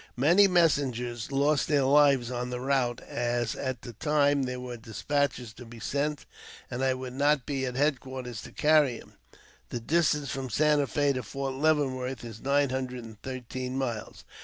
Many messen gers lost their lives on the route, as at times there were des i patches to be sent, and I would not be at headquarters to carry them. The distance from Santa Fe to Fort Leavenworth is nine hundred and thirteen miles.